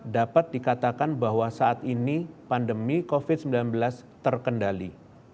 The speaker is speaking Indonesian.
dapat dikatakan bahwa saat ini pandemi covid sembilan belas terkendali